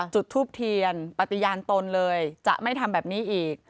จุดทูปเทียนปฏิญาณตนเลยจะไม่ทำแบบนี้อีก